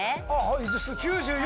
９４！